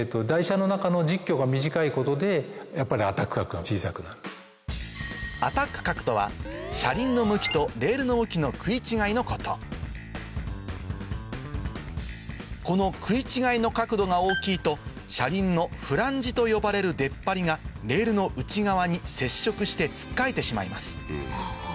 に聞いてみるとアタック角とは車輪の向きとレールの向きの食い違いのことこの食い違いの角度が大きいと車輪のフランジと呼ばれる出っ張りがレールの内側に接触してつっかえてしまいます